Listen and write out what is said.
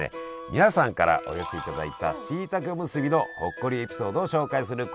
皆さんからお寄せいただいたしいたけおむすびのほっこりエピソードを紹介するコーナーです！